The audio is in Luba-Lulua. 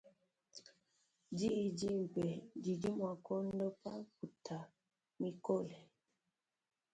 Diyi dimpe didi mua kuondopa mputa mikole.